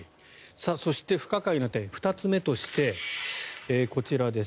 そして不可解な点２つ目としてこちらです。